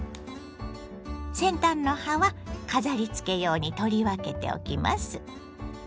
先端の葉は飾りつけ用に取り分けておきます。